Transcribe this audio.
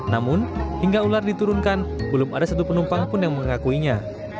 namun hingga ular diturunkan belum ada satu penumpang pun yang mengakuinya